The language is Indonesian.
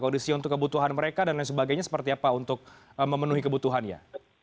kondisi untuk kebutuhan mereka dan lain sebagainya seperti apa untuk memenuhi kebutuhannya